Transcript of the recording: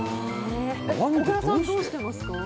小倉さん、どうしてますか？